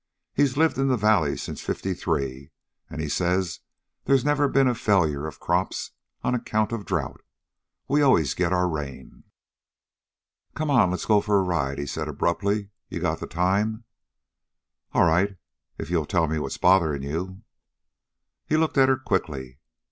He's lived in the valley since Fifty three, and he says there's never been a failure of crops on account of drought. We always get our rain." "Come on, let's go for a ride," he said abruptly. "You've got the time." "All right, if you'll tell me what's bothering you." He looked at her quickly.